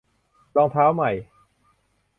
- รองเท้าใหม่